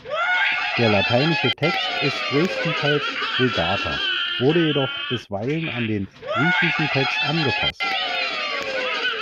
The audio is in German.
Der lateinische Text ist größtenteils Vulgata, wurde jedoch bisweilen an den griechischen Text angepasst.